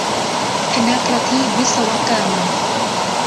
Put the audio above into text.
ธนประทีปวิศวกรรม